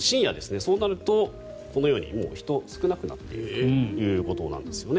そうなると、このように人、少なくなっているということですね。